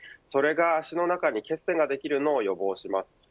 それが足の中に血栓ができるのを予防します。